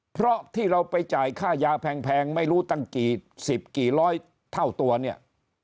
เพราะที่เราไปจ่ายค่ายาแพงไม่รู้ตั้งกี่สิบกี่ร้อยเท่าตัวเนี่ย